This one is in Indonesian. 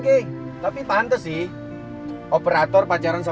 kei kamu apa apaan sih